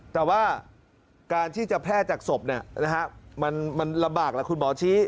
แต่ว่าการที่จะแพร่จากศพมันลำบากแล้วคุณหมอชี้